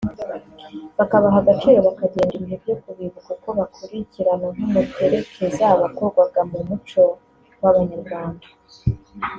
bakabaha agaciro bakagenda ibihe byo kubibuka uko bakurikirana nk’umuterekeza wakorwaga mu muco w’Abanyarwanda